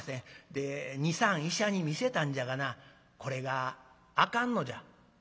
で２３医者に診せたんじゃがなこれがあかんのじゃ」。